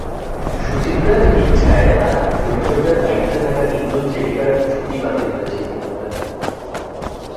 সুচিত্রার ইচ্ছায় তাঁর পরিচর্যার দায়িত্বে থাকা তিনজন সেবিকার ছুটি বাতিল হয়েছে ইতিমধ্যে।